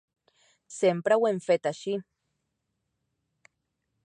Sempre ho hem fet així.